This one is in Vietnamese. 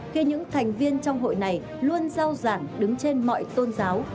khi những thành viên trong hội này luôn giao giảng đứng trên mọi tôn giáo